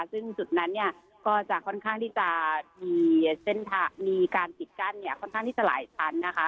ซึ่งจุดนั้นเนี่ยก็จะค่อนข้างที่จะมีเส้นทางมีการปิดกั้นเนี่ยค่อนข้างที่จะหลายชั้นนะคะ